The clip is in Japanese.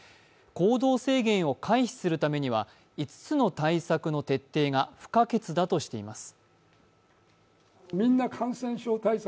行動制限を回避するためには５つの対策の徹底が不可欠だとしています。